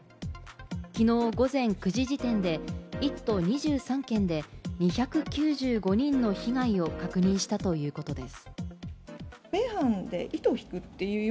きのう午前９時時点で、１都２３県で、２９５人の被害を確認したということです。